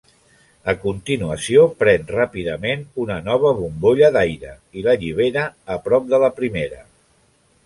A continuació, pren ràpidament una nova bombolla d'aire i l'allibera a prop de la primera.